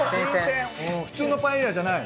普通のパエリアじゃない。